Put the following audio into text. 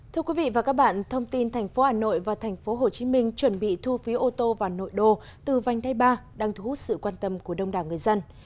thưa quý vị và các bạn thông tin thành phố hà nội và thành phố hồ chí minh chuẩn bị thu phí ô tô vào nội đô từ vanh đai ba đang thu hút sự quan tâm của đông đảo người dân